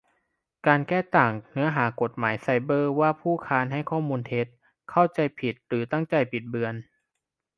การแก้ต่างเนื้อหากฎหมายไซเบอร์ว่า ผู้ค้านให้ข้อมูลเท็จ เข้าใจผิด หรือตั้งใจบิดเบือน